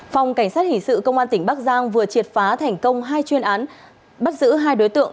phòng cảnh sát hình sự công an tỉnh bắc giang vừa triệt phá thành công hai chuyên án bắt giữ hai đối tượng